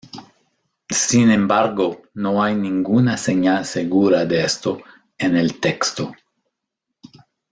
Sin embargo no hay ninguna señal segura de esto en el texto.